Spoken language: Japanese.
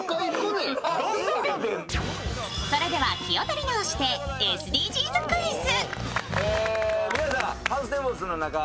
それでは気を取り直して、ＳＤＧｓクイズ。